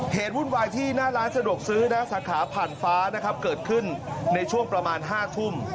วุ่นวายที่หน้าร้านสะดวกซื้อนะสาขาผ่านฟ้านะครับเกิดขึ้นในช่วงประมาณ๕ทุ่ม